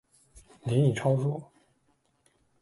您已超速